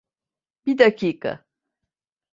Bi dakika.